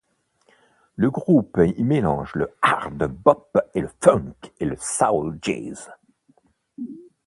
Le groupe y mélange le hard bop avec le funk et le soul jazz.